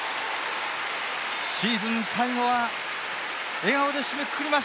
シーズン最後は笑顔で締めくくりました！